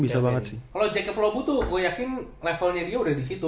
kalo jacky pelobu tuh gue yakin levelnya dia udah disitu